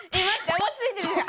あわついてるよ」。